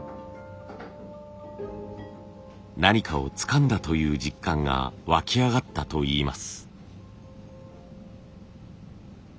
何かをつかんだという実感がわき上がったといいます。